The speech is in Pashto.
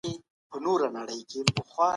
کمپيوټر ويب سرور چالانه وي.